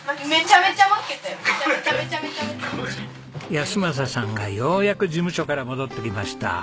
安正さんがようやく事務所から戻ってきました。